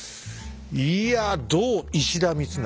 いやどう石田三成。